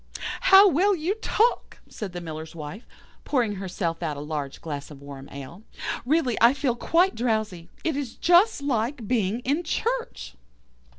"'How well you talk!' said the Miller's Wife, pouring herself out a large glass of warm ale; 'really I feel quite drowsy. It is just like being in church.